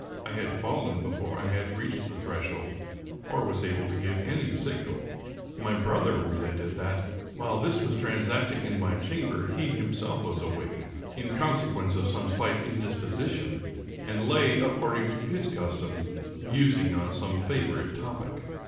I had fallen before I had reached the threshold or was able to give any signal. My brother related that, while this was transacting in my chamber, he himself was awake, in consequence of some slight indisposition, and lay, according to his custom, mus ing on some favorite topic.